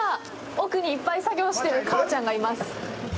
奥にいっぱい作業してるかあちゃんがいます。